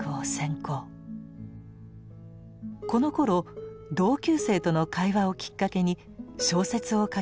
このころ同級生との会話をきっかけに小説を書き始めました。